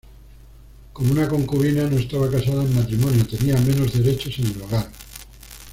Como una concubina no estaba casada en matrimonio, tenía menos derechos en el hogar.